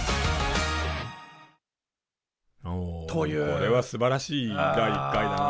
これはすばらしい第１回だな。